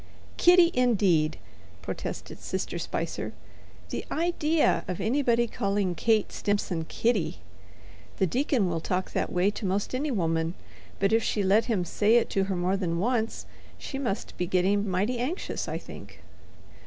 "'Kitty,' indeed!" protested Sister Spicer. "The idea of anybody calling Kate Stimson 'Kitty'! The deacon will talk that way to 'most any woman, but if she let him say it to her more than once, she must be getting mighty anxious, I think."